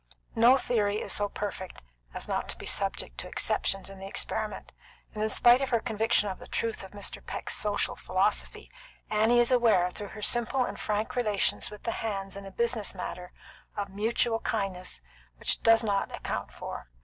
No theory is so perfect as not to be subject to exceptions in the experiment, and in spite of her conviction of the truth of Mr. Peck's social philosophy, Annie is aware, through her simple and frank relations with the hands in a business matter, of mutual kindness which it does not account for.